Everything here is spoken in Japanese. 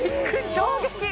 衝撃！